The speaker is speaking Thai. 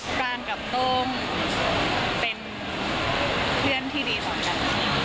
กลางกับโต้มเป็นเพื่อนที่ดีสำคัญ